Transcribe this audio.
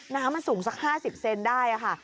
น้ำมันสูงสัก๕๐เซนได้ค่ะ